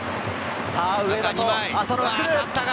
さぁ上田と浅野が来る。